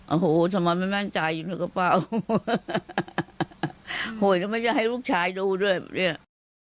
โอ้โหฉันมันไม่มั่นใจอยู่ในกระเป๋าโอ้ยทำไมจะให้ลูกชายดูด้วยเนี่ย